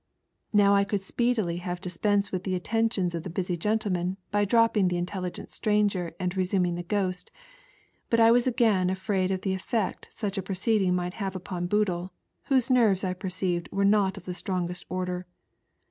Now I could speedily have dispensed with the attentions of the busy gentleman by dropping the Intelligent Stranger and resuming the Ghost, but I was again afraid of the effect such a pro ceeding might have upon Boodle, whose nerves I perceived were not of the strongest order.